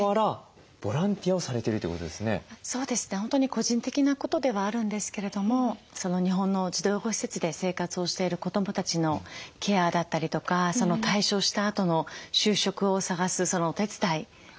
本当に個人的なことではあるんですけれども日本の児童養護施設で生活をしている子どもたちのケアだったりとか退所したあとの就職を探すお手伝いでしたり。